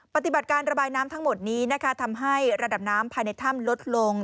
ปฏิบัติการระบายน้ำทั้งหมดนี้นะคะทำให้ระดับน้ำภายในถ้ำลดลง